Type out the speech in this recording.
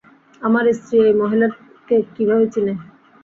আমার স্ত্রী এই মহিলাকে কীভাবে চিনে?